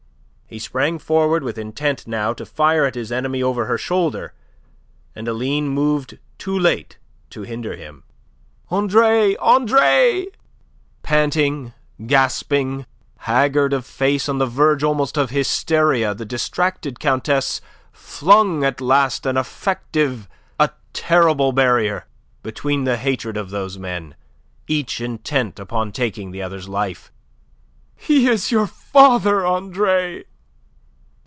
He sprang forward with intent now to fire at his enemy over her shoulder, and Aline moved too late to hinder him. "Andre! Andre!" Panting, gasping, haggard of face, on the verge almost of hysteria, the distracted Countess flung at last an effective, a terrible barrier between the hatred of those men, each intent upon taking the other's life. "He is your father, Andre!